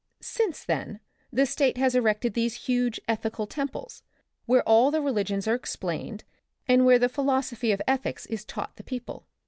Since then the State has erected these huge Ethical Temples, where all the religions are ex plained and where the philosophy of ethics is taught the people.